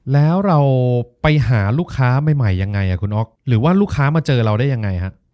แล้วเราไปหาลูกค้าใหม่ยังไงคุณอ๊อกหรือว่าลูกค้ามาเจอเราได้ยังไงฮะ